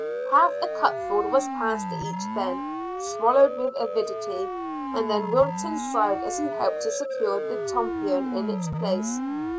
Half a cupful was passed to each then, swallowed with avidity, and then Wilton sighed as he helped to secure the tompion in its place.